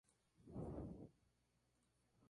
Cría en acantilados con cavidades o piedras.